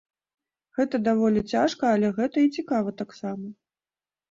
Гэта даволі цяжка, але гэта і цікава таксама.